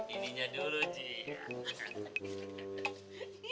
ininya dulu ji